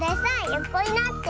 よこになって。